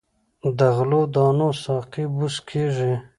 د غلو دانو ساقې بوس کیږي.